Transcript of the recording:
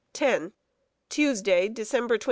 _Tuesday, December 27.